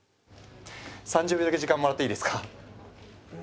３０秒だけ時間もらっていいですか？